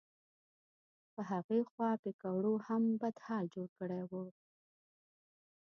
په هغې خوا پیکوړو هم بد حال جوړ کړی و.